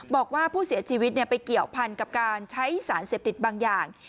บอกว่าผู้เสียชีวิตไปเกี่ยวพันกับการใช้สารเสพติดบางอย่าง